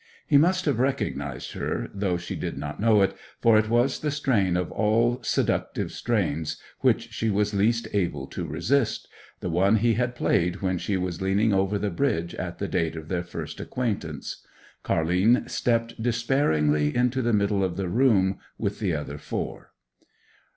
He must have recognized her, though she did not know it, for it was the strain of all seductive strains which she was least able to resist—the one he had played when she was leaning over the bridge at the date of their first acquaintance. Car'line stepped despairingly into the middle of the room with the other four.